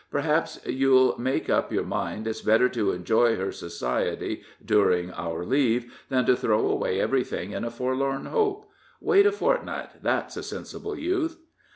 Perhaps you'll make up your mind it's better to enjoy her society, during our leave, than to throw away everything in a forlorn hope. Wait a fortnight, that's a sensible youth."